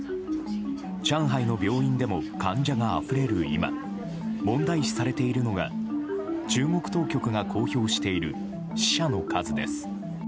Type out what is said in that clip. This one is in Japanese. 上海の病院でも患者があふれる今問題視されているのが中国当局が公表している死者の数です。